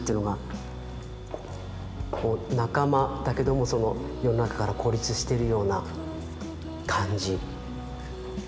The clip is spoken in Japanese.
仲間だけどもその世の中から孤立してるような感じ。